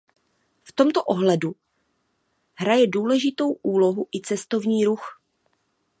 V tomto ohledu hraje důležitou úlohu i cestovní ruch.